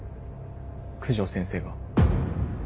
九条先生が。